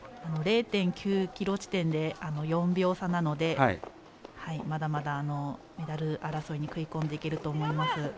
０．９ｋｍ地点で４秒差なのでまだまだメダル争いに食い込んでいけると思います。